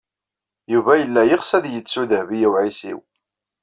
Yuba yella yeɣs ad yettu Dehbiya u Ɛisiw.